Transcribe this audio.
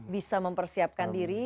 bisa mempersiapkan diri